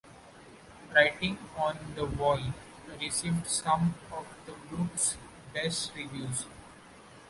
"Writing on the Wall" received some of the group's best reviews.